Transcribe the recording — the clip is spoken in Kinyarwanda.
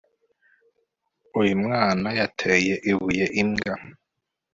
uwo mwana yateye ibuye imbwa